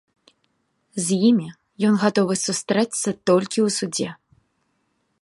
З імі ён гатовы сустрэцца толькі ў судзе.